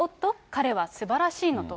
彼はすばらしいのと。